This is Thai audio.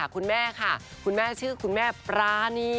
คุณแม่ชื่อคุณแม่ปรณี